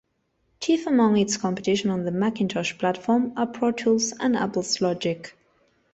Chief among its competition on the Macintosh platform are Pro Tools and Apple's Logic.